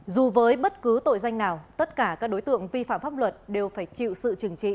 dù với bất cứ tội danh nào tất cả các đối tượng vi phạm pháp luật đều phải chịu sự trừng trị